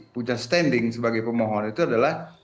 punya standing sebagai pemohon itu adalah